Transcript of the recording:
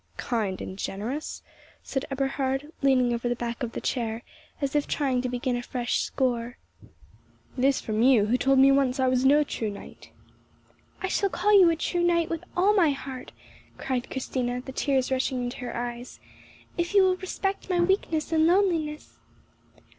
"Kind and generous?" said Eberhard, leaning over the back of the chair as if trying to begin a fresh score. "This from you, who told me once I was no true knight!" "I shall call you a true knight with all my heart," cried Christina, the tears rushing into her eyes, "if you will respect my weakness and loneliness."